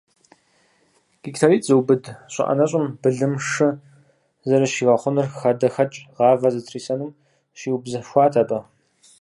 Гектаритӏ зыубыд щӏы ӏэнэщӏым былым, шы зэрыщигъэхъунур, хадэхэкӏ, гъавэ зэрытрисэнур щиубзыхуат абы.